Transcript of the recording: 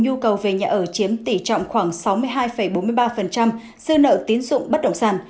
nhu cầu về nhà ở chiếm tỷ trọng khoảng sáu mươi hai bốn mươi ba dư nợ tín dụng bất động sản